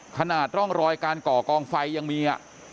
ขนาดร่องรอยการก่อกองไฟยังมี